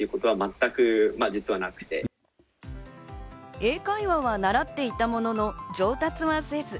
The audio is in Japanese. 英会話は習っていたものの上達はせず。